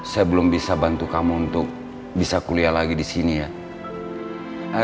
saya belum bisa bantu kamu untuk bisa kuliah lagi di sini ya